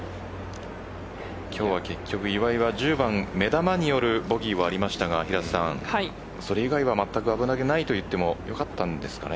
今日は結局岩井は１０番目玉によるボギーはありましたがそれ以外は、まったく危なげないと言ってもよかったんですかね。